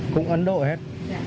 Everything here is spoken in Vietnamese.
cũng ấn độ hết